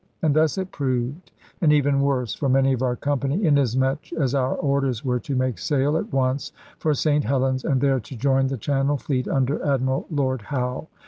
And thus it proved, and even worse for many of our company, inasmuch as our orders were to make sail at once for St Helens and there to join the Channel fleet under Admiral Lord Howe.